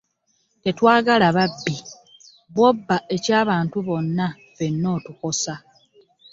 Tetwagala babbi, bw'obba eky'abantu bonna ffenna otukosa